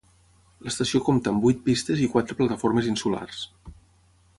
L'estació compta amb vuit pistes i quatre plataformes insulars.